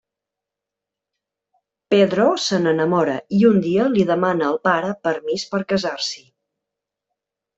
Pedro se n'enamora i un dia li demana al pare permís per casar-s'hi.